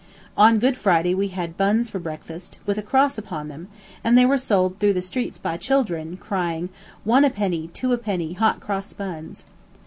On Good Friday we had bunns for breakfast, with a cross upon them, and they were sold through the streets by children, crying "One a penny, two a penny, hot cross bunns."